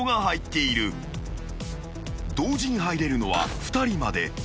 ［同時に入れるのは２人まで］